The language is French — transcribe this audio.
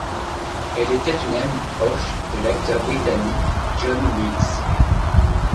Elle était une amie proche de l'acteur britannique John Mills.